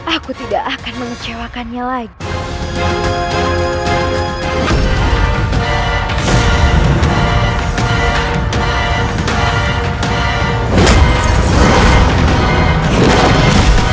aku tidak akan mengecewakannya lagi